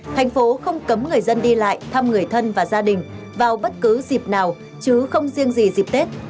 thành phố không cấm người dân đi lại thăm người thân và gia đình vào bất cứ dịp nào chứ không riêng gì dịp tết